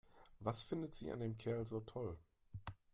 Was findet sie an dem Kerl so toll?